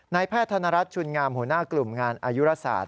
แพทย์ธนรัฐชุนงามหัวหน้ากลุ่มงานอายุราศาสต